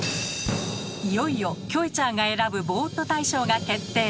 いよいよキョエちゃんが選ぶボーっと大賞が決定。